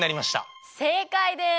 正解です。